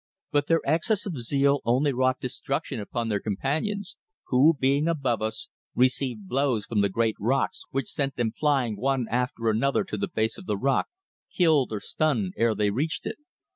But their excess of zeal only wrought destruction upon their companions, who, being above us, received blows from the great stones which sent them flying one after another to the base of the rock, killed or stunned ere they reached it.